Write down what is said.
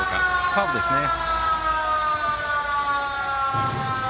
カーブですね。